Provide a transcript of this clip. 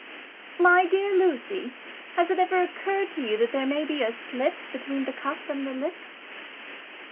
"My dear Lucy, has it ever occurred to you that there may be a slip between the cup and the lip?"